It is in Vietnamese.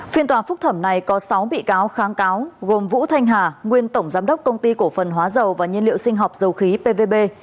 phiên tòa phúc thẩm này có sáu bị cáo kháng cáo gồm vũ thanh hà nguyên tổng giám đốc công ty cổ phần hóa dầu và nhiên liệu sinh học dầu khí pvb